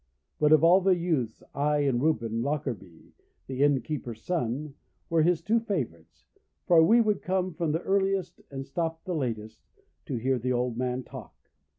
But of all the youths I and Reuben Lockarby, the innkeeper's son, were his two favourites, for we would come the earliest and stop the latest to hear the old man talk.